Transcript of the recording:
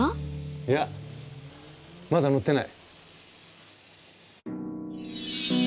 いやまだ乗ってない。